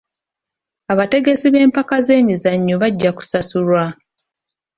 Abategesi b'empaka z'emizannyo bajja kusasulwa.